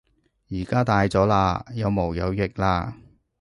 而家大咗喇，有毛有翼喇